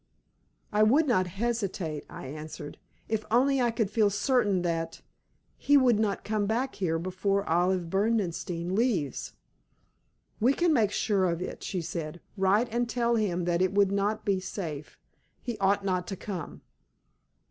"I would not hesitate," I answered, "if only I could feel certain that he would not come back here before Olive Berdenstein leaves." "We can make sure of it," she said. "Write and tell him that it would not be safe; he ought not to come."